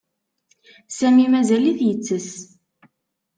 Sami mazal-it yettess.